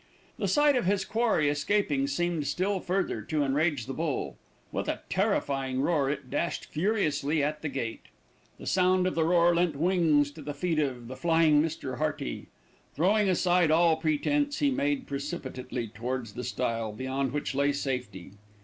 The sight of his quarry escaping seemed still further to enrage the bull. With a terrifying roar it dashed furiously at the gate. The sound of the roar lent wings to the feet of the flying Mr. Hearty. Throwing aside all pretence, he made precipitately towards the stile, beyond which lay safety.